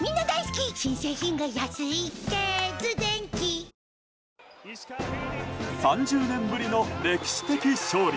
ニトリ３０年ぶりの歴史的勝利。